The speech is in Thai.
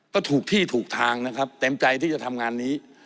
ก็ถูกที่ถูกทางนะครับเต็มใจที่จะทำงานนี้